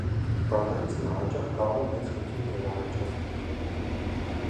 Վանդալիզմը հաճախ կարող է մեծ խնդիրներ առաջացնել։